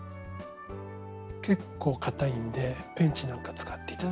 結構かたいんでペンチなんか使って頂いてもいいです。